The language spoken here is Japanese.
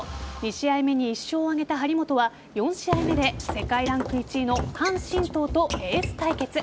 ２試合目に１勝を挙げた張本は４試合目で世界ランク１位のハン・シントウとエース対決。